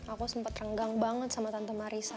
aku sempet renggang banget sama tante marissa